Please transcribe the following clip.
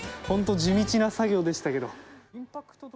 ほんと地道な作業でしたけど。